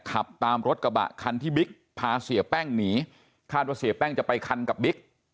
ขับตามรถกระบะคันที่บิ๊กพาเสียแป้งหนีคาดว่าเสียแป้งจะไปคันกับบิ๊ก